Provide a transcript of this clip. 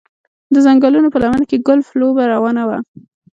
د ځنګلونو په لمنه کې ګلف لوبه روانه وه